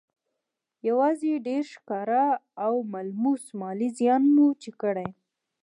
يوازې ډېر ښکاره او ملموس مالي زيان مو چې کړی